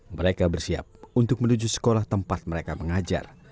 mereka bersiap untuk menuju sekolah tempat mereka mengajar